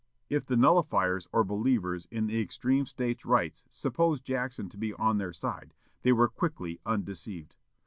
If the nullifiers or believers in extreme States' rights supposed Jackson to be on their side, they were quickly undeceived.